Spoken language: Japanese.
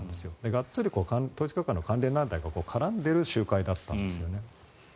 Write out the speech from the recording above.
がっつり統一教会の関連団体と絡んでいる集会だったんですね。